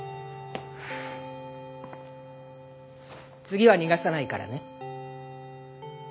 次は逃がさないからね。